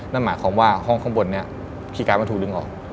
นั่นหมายความว่าห้องข้างบนนี้คีย์การ์ดมันถูกดึงออก